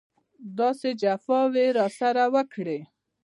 داسې جفاوې یې راسره وکړې.